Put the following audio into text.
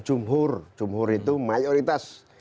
jumhur jumhur itu mayoritas